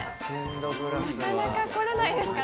なかなか来れないですからね。